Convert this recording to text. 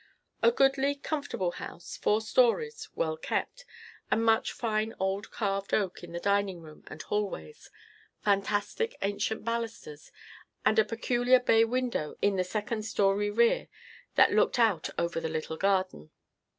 A goodly, comfortable house, four stories, well kept, and much fine old carved oak in the dining room and hallways; fantastic ancient balusters, and a peculiar bay window in the second story rear that looked out over the little garden.